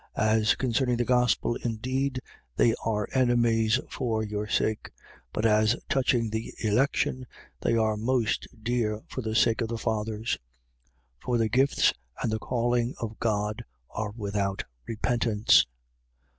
11:28. As concerning the gospel, indeed, they are enemies for your sake: but as touching the election, they are most dear for the sake of the fathers. 11:29. For the gifts and the calling of God are without repentance.